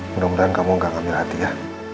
mudah mudahan kamu gak ngambil hati ya